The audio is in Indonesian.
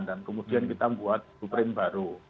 dan kemudian kita buat blueprint baru